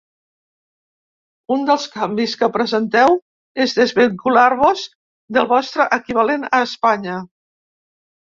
Un dels canvis que presenteu és desvincular-vos del vostre equivalent a Espanya.